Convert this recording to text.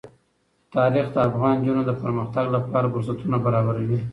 تاریخ د افغان نجونو د پرمختګ لپاره فرصتونه برابروي.